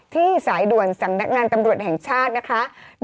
ที่สายด่วนสำนักงานตำรวจแห่งชาตินะคะ